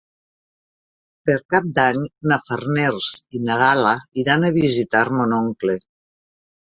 Per Cap d'Any na Farners i na Gal·la iran a visitar mon oncle.